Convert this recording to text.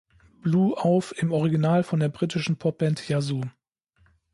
Blue" auf, im Original von der britischen Popband Yazoo.